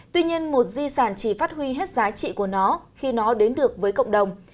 tuy nhiên một di sản chỉ phát huy hết giá trị của nó khi nó đến được với cộng đồng